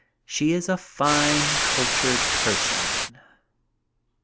She is a fine, cultured person.